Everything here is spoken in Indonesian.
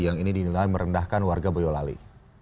yang ini dinilai merendahkan warga boyolali